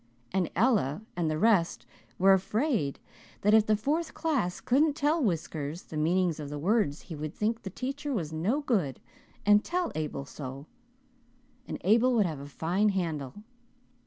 And Ella and the rest were afraid that if the fourth class couldn't tell Whiskers the meanings of the words he would think the teacher was no good and tell Abel so, and Abel would have a fine handle.